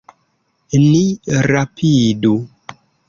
Ni rapidu.